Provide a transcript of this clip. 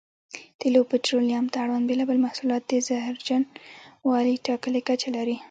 تېلو او پټرولیم ته اړوند بېلابېل محصولات د زهرجنوالي ټاکلې کچه لري.